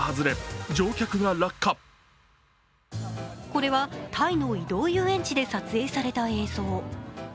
これはタイの移動遊園地で撮影された映像。